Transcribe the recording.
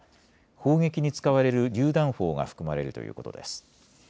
砲撃に使われるりゅう弾砲が含まれるということです。